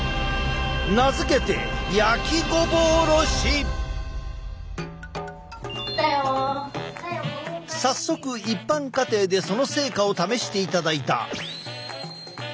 名付けて早速一般家庭でその成果を試していただいた。